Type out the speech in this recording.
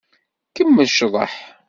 Kemmel ccḍeḥ.